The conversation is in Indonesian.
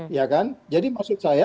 ya kan jadi maksud saya